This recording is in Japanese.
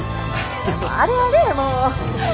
あれあれもう。